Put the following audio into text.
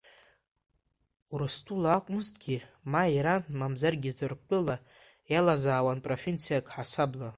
Урыстәыла акәмызҭгьы, ма Иран, мамзаргьы Ҭырқәтәыла иалазаауан провинциак аҳасабала.